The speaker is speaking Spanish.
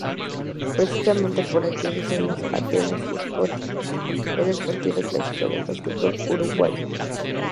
Precisamente por aquellos años Atenas y Sporting era el partido clásico del básquetbol uruguayo.